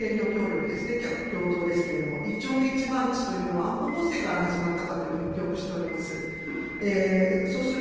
一方で、野党の選挙協力ですね、共闘ですけれども、一丁目一番地というのは、安保法制から始まったかというふうに記憶しております。